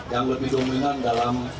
yang lebih dominan dalam